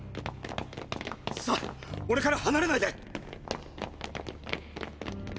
さぁ俺から離れないで！